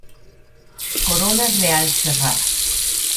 Corona real cerrada.